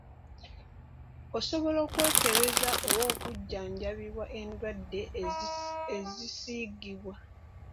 Osobola okwekebeza oba okujjanjabibwa endwadde ezisiigibwa.